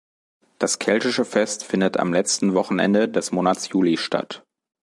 Das Keltische Fest findet am letzten Wochenende des Monats Juli statt.